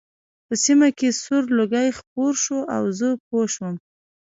په سیمه کې سور لوګی خپور شو او زه پوه شوم